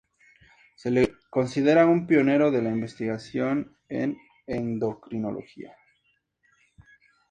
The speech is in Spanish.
Se le considera un pionero de la investigación en endocrinología.